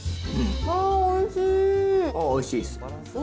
おいしいです。